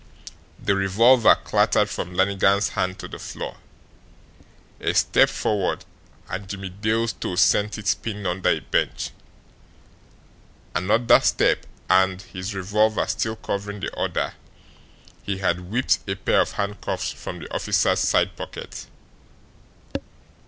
The revolver clattered from Lannigan's hand to the floor. A step forward, and Jimmie Dale's toe sent it spinning under a bench. Another step, and, his revolver still covering the other, he had whipped a pair of handcuffs from the officer's side pocket.